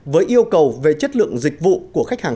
với yêu cầu về chất lượng dịch vụ của khách hàng